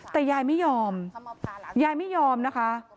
แต่ยายไม่ยอมยายไม่ยอมนะคะ